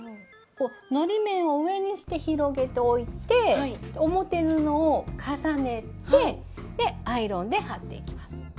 のり面を上にして広げておいて表布を重ねてアイロンで貼っていきます。